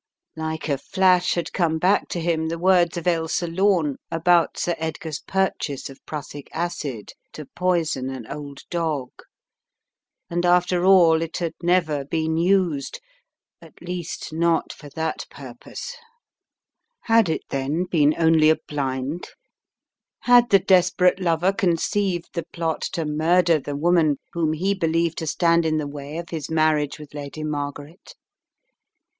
Like a flash had come back to him the words of Ailsa Lome about Sir Edgar's purchase of prussic acid to poison an old dog. And after all, it had never been used; at least not for that purpose! Had it 290 A Twisted Clue 281 then been only a blind? Had the desperate lover conceived the plot to murder the woman whom he believed to stand in the way of his marriage with Lady Margaret?